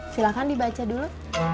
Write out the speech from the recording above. silahkan dibaca dulu